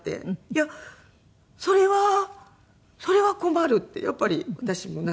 いやそれはそれは困るってやっぱり私もなって。